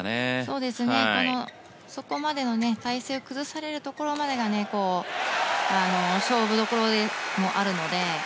そうですね、そこまでの体勢を崩されるところまでが勝負どころでもあるので。